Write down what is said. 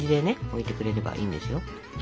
置いてくれればいいんですよ。